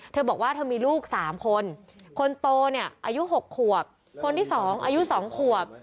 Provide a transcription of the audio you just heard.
เธอบอกว่าเธอมีลูก๓คนคนโตเนี่ยอายุ๖ขวบคนที่๒อายุ๒ขวบ